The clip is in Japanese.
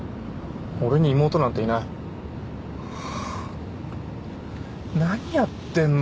俺に妹なんていない何やってんの？